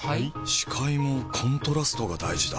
視界もコントラストが大事だ。